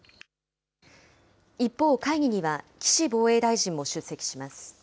一方、会議には岸防衛大臣も出席します。